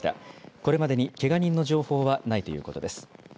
これまでにけが人の情報はないということです。